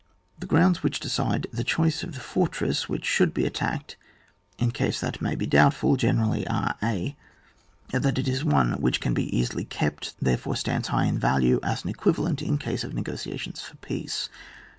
The grounas which decide the choice of the fortress which should be attacked, in case that may be doubtful, generally are — {a) That it is one which can be easily kept, therefore stands high in value as an equivalent in case of negotiations for peace.